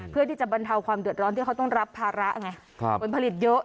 เพื่อที่จะบรรเทาความเดือดร้อนที่เขาต้องรับภาระไงผลผลิตเยอะ